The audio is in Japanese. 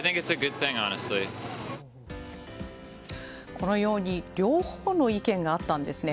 このように両方の意見があったんですね。